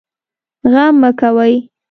غم مه کوئ